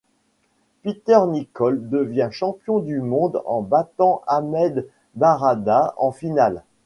Peter Nicol devient champion du monde en battant Ahmed Barada en finale.